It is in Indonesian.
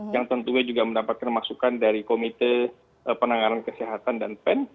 yang tentunya juga mendapatkan masukan dari komite penanganan kesehatan dan pen